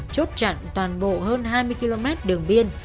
chốt chặn toàn bộ hơn hai mươi km đường biên